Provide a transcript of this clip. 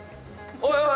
おいおい